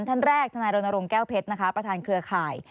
ท่านแรกธนายรณรงค์แก้วเพชรนะคะประธานเครือข่าย